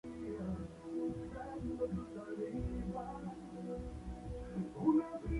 La tragedia puso fin a la existencia del conjunto.